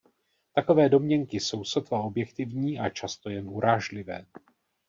Takové domněnky jsou sotva objektivní a často jen urážlivé.